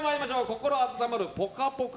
心温まる「ぽかぽか」